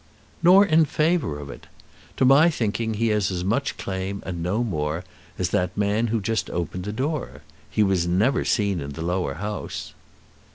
"Nor in favour of it. To my thinking he has as much claim, and no more, as that man who just opened the door. He was never seen in the Lower House."